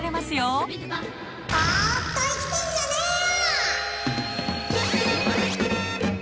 ボーっと生きてんじゃねーよ！